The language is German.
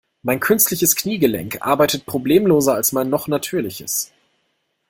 Mein künstliches Kniegelenk arbeitet problemloser als mein noch natürliches.